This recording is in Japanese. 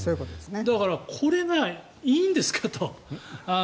だからこれがいいんですかと。